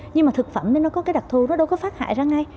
nhưng mà thực phẩm thì nó có cái đặc thù nó đâu có phát hại ra ngay